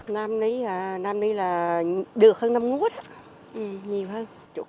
năm nay là được hơn năm ngút nhiều hơn